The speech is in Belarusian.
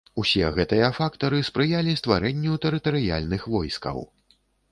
Усе гэтыя фактары спрыялі стварэнню тэрытарыяльных войскаў.